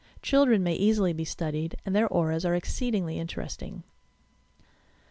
Children may easily be studied, and their auras are exceedingly interesting.